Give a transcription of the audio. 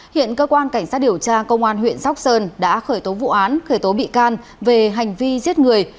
hiện cơ quan cảnh sát điều tra công an huyện sóc sơn đã khởi tố vụ án khởi tố bị can về hành vi giết người